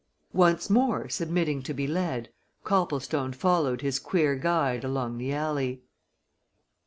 Once more submitting to be led, Copplestone followed his queer guide along the alley.